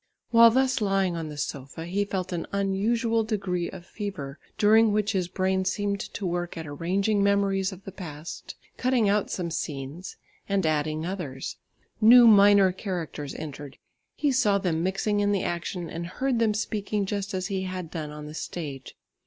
While thus tying on the sofa he felt an unusual degree of fever, during which his brain seemed to work at arranging memories of the past, cutting out some scenes, and adding others. New minor characters entered; he saw them mixing in the action, and heard them speaking, just as he had done on the stage.